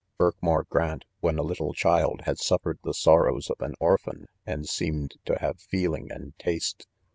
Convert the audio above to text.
Birkmoor Grant, when a little child, had suf fered the sorrows of an orphan.; and seemed ta have feeling and taste.